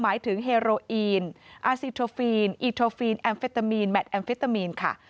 หมายถึงเฮโรอีนอาซิโทฟีนอีโทฟีนแอมเฟตามีนแมทแอมเฟตามีนค่ะ